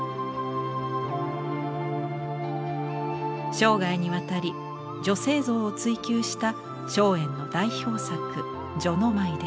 生涯にわたり女性像を追求した松園の代表作「序の舞」です。